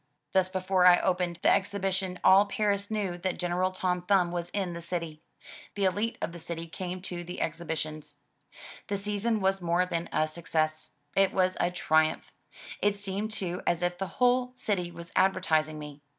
Thus before I opened the exhibition, all Paris knew that General Tom Thumb was in the city. The 61ite of the city came to the exhibitions. The season was more than a success; it was a triumph. It seemed too as if the whole city was advertising me.